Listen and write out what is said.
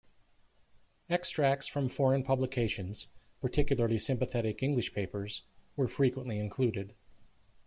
Extracts from foreign publications, particularly sympathetic English papers, were frequently included.